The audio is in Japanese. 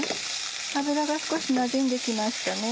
油が少しなじんで来ましたね。